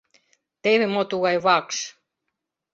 Теве мо тугай вакш!